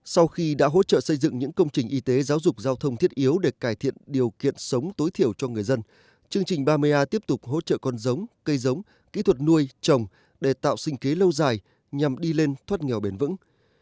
sau khi đã hỗ trợ xây dựng những công trình y tế giáo dục giao thông thiết yếu để cải thiện điều kiện sống tối thiểu cho người dân chương trình ba mươi a tiếp tục hỗ trợ con giống cây giống kỹ thuật nuôi trồng để tạo sinh kế lâu dài nhằm đi lên thoát nghèo bền vững